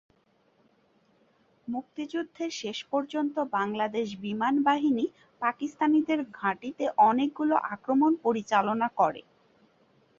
মুক্তিযুদ্ধের শেষ পর্যন্ত বাংলাদেশ বিমান বাহিনী পাকিস্তানিদের ঘাঁটিতে অনেকগুলো আক্রমণ পরিচালনা করে।